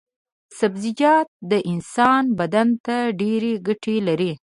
سبزيجات د انسان بدن ته ډېرې ګټې لري.